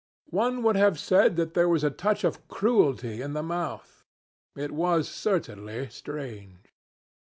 One would have said that there was a touch of cruelty in the mouth. It was certainly strange.